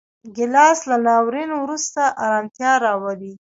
ګیلاس له ناورین وروسته ارامتیا راولي.